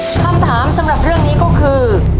คำถามสำหรับเรื่องนี้ก็คือ